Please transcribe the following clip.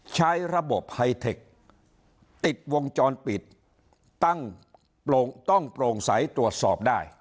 ใช้ระบบไฮเทคติดวงจรปิดตั้งต้องโปร่งใสตรวจสอบได้